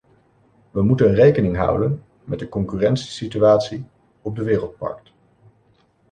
We moeten rekening houden met de concurrentiesituatie op de wereldmarkt.